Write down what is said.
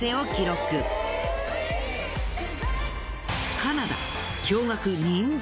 カナダ。